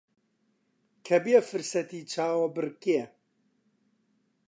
کە بێ فرسەتی چاوەبڕکێ